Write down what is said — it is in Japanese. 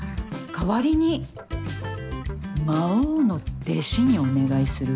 代わりに魔王の弟子にお願いする？